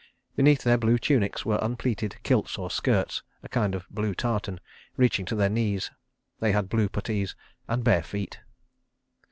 Beneath their blue tunics were unpleated kilts or skirts, of a kind of blue tartan, reaching to their knees. They had blue puttees and bare feet.